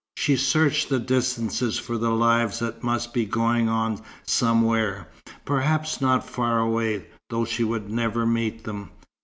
She searched the distances for the lives that must be going on somewhere, perhaps not far away, though she would never meet them.